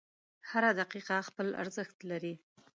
• هره دقیقه خپل ارزښت لري.